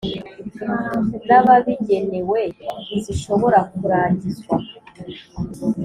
N ababigenewe ntizishobora kurangizwa